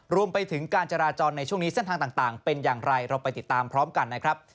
รวมไปถึงการจราจรในช่วงนี้เส้นทางต่างเป็นอย่างไรเราไปติดตามพร้อมกันนะครับ